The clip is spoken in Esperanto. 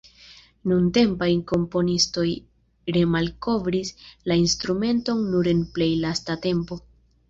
Nuntempaj komponistoj remalkovris la instrumenton nur en plej lasta tempo.